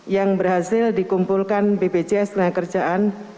yang berhasil dikumpulkan bpjs tenaga kerjaan